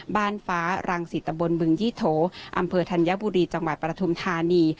ฟ้ารังสิตตะบนบึงยี่โถอำเภอธัญบุรีจังหวัดปฐุมธานี